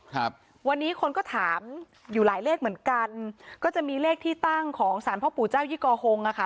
ครับวันนี้คนก็ถามอยู่หลายเลขเหมือนกันก็จะมีเลขที่ตั้งของสารพ่อปู่เจ้ายี่กอฮงอ่ะค่ะ